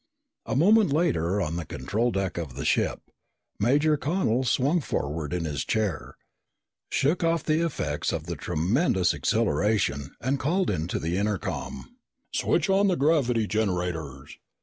A moment later, on the control deck of the ship, Major Connel swung forward in his chair, shook off the effects of the tremendous acceleration, and called into the intercom, "Switch on the gravity generators!"